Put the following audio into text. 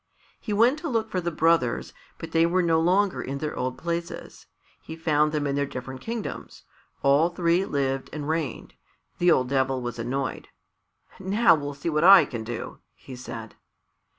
He went to look for the brothers, but they were no longer in their old places. He found them in their different kingdoms. All three lived and reigned. The old Devil was annoyed. "Now we'll see what I can do!" he said.